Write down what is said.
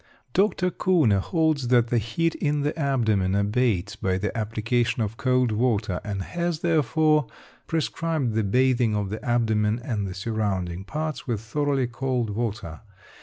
Dr. Kuhne holds that the heat in the abdomen abates by the application of cold water, and has, therefore, prescribed the bathing of the abdomen and the surrounding parts with thoroughly cold water.